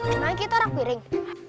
makan kita rak piring